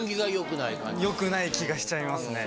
よくない気がしちゃいますね。